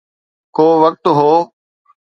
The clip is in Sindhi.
ڪو وقت هو